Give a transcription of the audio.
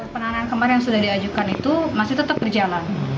penanganan kemarin yang sudah diajukan itu masih tetap berjalan